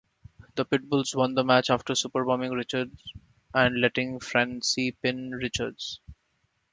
The Pitbulls won the match after superbombing Richards and letting Francine pin Richards.